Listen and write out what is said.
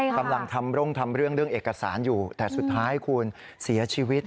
กำลังทำเรื่องเอกสารอยู่แต่สุดท้ายคุณเสียชีวิต